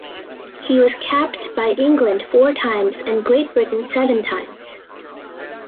He was capped by England four times and Great Britain seven times.